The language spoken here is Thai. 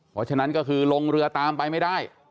เพราะฉะนั้นก็คือลงเรือตามไปไม่ได้